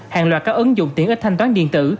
hàng loạt các ứng dụng tiện ích thanh toán điện tử